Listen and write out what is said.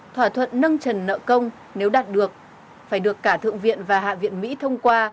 thỏa thuận nâng trần nợ công nếu đạt được phải được cả thượng viện và hạ viện mỹ thông qua